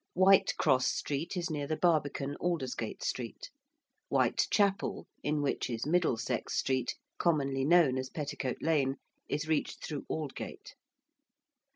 ~Whitecross Street~ is near the Barbican, Aldersgate Street; ~Whitechapel~, in which is ~Middlesex Street~ (commonly known as Petticoat Lane), is reached through Aldgate.